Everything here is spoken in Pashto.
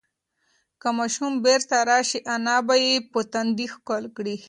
که ماشوم بیرته راشي، انا به یې په تندي ښکل کړي.